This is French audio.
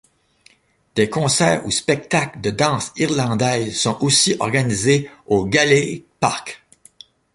Des concerts ou spectacles de danse irlandaise sont aussi organisés au Gaelic Park.